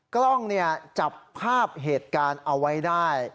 กล้องเนี่ยจับภาพเหตุการณ์เอาไว้ได้